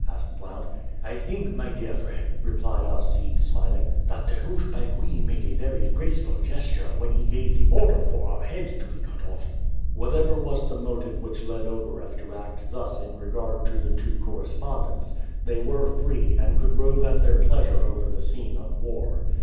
asked Blount. "I think, my dear friend," replied Alcide, smiling, "that the housch begui made a very graceful gesture when he gave the order for our heads to be cut off." Whatever was the motive which led Ogareff to act thus in regard to the two correspondents, they were free and could rove at their pleasure over the scene of war.